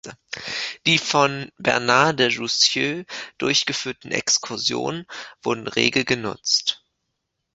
Die von Bernard de Jussieu durchgeführten Exkursion wurden rege genutzt.